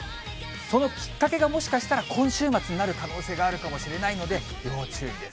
そのきっかけがもしかしたら今週末になる可能性があるかもしれないので要注意です。